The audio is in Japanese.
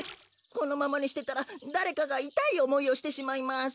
このままにしてたらだれかがいたいおもいをしてしまいます。